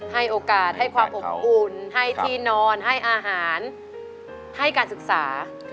ให้โอกาสให้ความอบอุ่นให้ที่นอนให้อาหารให้การศึกษา